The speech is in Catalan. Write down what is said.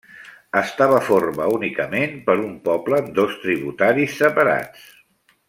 Estava forma únicament per un poble amb dos tributaris separats.